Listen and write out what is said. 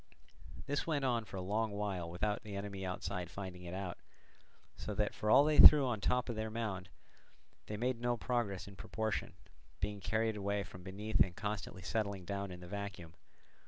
This went on for a long while without the enemy outside finding it out, so that for all they threw on the top their mound made no progress in proportion, being carried away from beneath and constantly settling down in the vacuum.